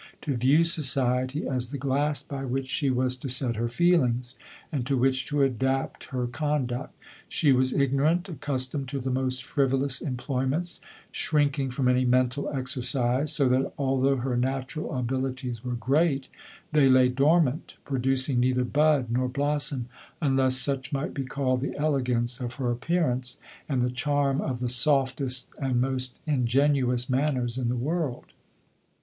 to view society as the glass by which she was to set her feelings, and to which to adapt her conduct. She was ignorant, ac customed to the most frivolous employments, shrinking from any mental exercise, so that although her natural abilities were great, they lay dormant, producing neither bud nor blos som, unless such might be called the elegance of her appearance, and the charm of the softest and most ingenuous manners in the world.